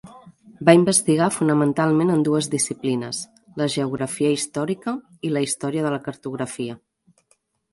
Va investigar fonamentalment en dues disciplines, la Geografia Històrica i la Història de la Cartografia.